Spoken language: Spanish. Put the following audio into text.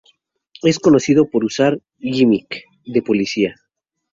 Es conocido por usar un "gimmick" de policía.